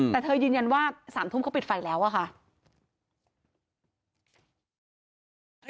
แต่เธอยืนยันว่า๓ทุ่มเขาปิดไฟแล้วอะค่ะ